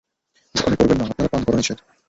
বোকামি করবেন না, আপনার পান করা নিষেধ।